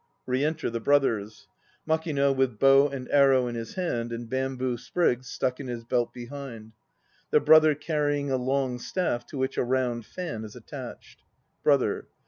(Re enter the Brothers: MAKING with bow and arrow in his hand and bamboo sprigs stuck in his belt behind; the BROTHER carrying a long staff to which a round fan is attached.) BROTHER.